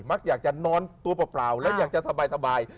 อยากจะนอนตัวเปล่าแล้วอยากจะสบาย